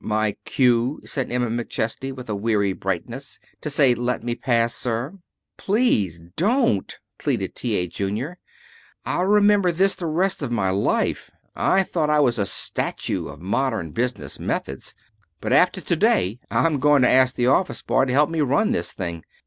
"My cue," said Emma McChesney, with a weary brightness, "to say, 'Let me pass, sir!'" "Please don't," pleaded T. A. Junior. "I'll remember this the rest of my life. I thought I was a statue of modern business methods, but after to day I'm going to ask the office boy to help me run this thing.